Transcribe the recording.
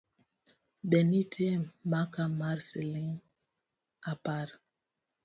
Be nitie maka mar siling’ apar?